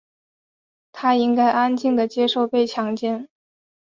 她应该安静地接受被强奸。